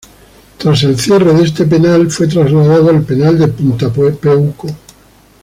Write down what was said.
Tras el cierre de este penal, fue trasladado al Penal de Punta Peuco.